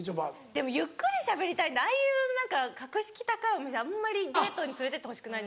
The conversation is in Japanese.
でもゆっくりしゃべりたいんでああいう何か格式高いお店あんまりデートに連れてってほしくないんですよ。